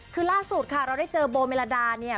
คือล่าสุดค่ะเราได้เจอโบเมลาดาเนี่ย